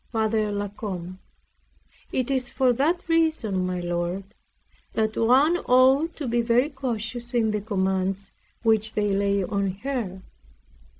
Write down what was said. F. LA COMBE It is for that reason, my lord, that one ought to be very cautious in the commands which they lay on her.